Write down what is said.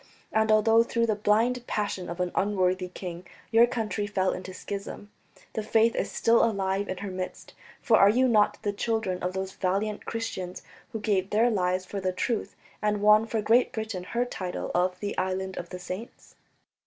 And although through the blind passion of an unworthy king your country fell into schism, the Faith is still alive in her midst, for are you not the children of those valiant Christians ... who gave their lives for the truth, and won for Great Britain her title of the Island of Saints?"